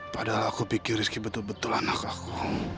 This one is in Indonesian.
padahal aku pikir rizky betul betul anak aku